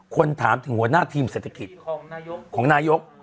คนถามถึงหัวหน้าทีมเศรษฐกิจของนายก